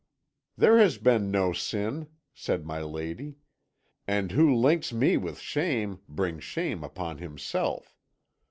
"'There has been no sin,' said my lady, 'and who links me with shame brings shame upon himself.